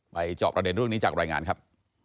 จอบประเด็นเรื่องนี้จากรายงานครับ